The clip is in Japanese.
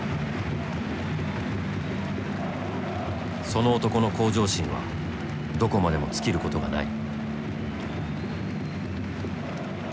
その男の向上心はどこまでも尽きることがない。